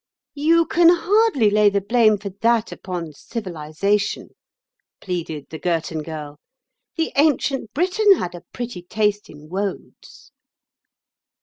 "You can hardly lay the blame for that upon civilisation," pleaded the Girton Girl. "The ancient Briton had a pretty taste in woads."